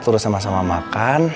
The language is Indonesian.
terus sama sama makan